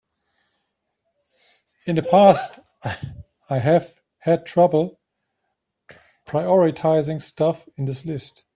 In the past I've had trouble prioritizing stuff in this list.